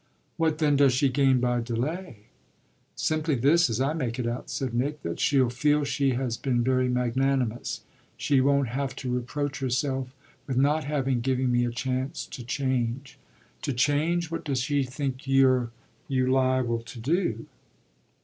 "What then does she gain by delay?" "Simply this, as I make it out," said Nick "that she'll feel she has been very magnanimous. She won't have to reproach herself with not having given me a chance to change." "To change? What does she think you liable to do?"